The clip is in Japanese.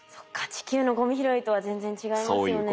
地球のゴミ拾いとは全然違いますよね。